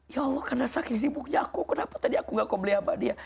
ya allah karena sakit sibuknya aku kenapa tadi aku enggak qomliyah mbak adia